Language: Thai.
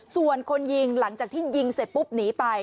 ส่วนคนยิงหลังจากที่ยิงเสร็จปุ๊บหนีไป